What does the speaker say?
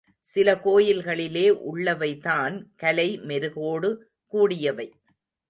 சில கோயில்களிலே உள்ளவைதான் கலை மெருகோடு கூடியவை.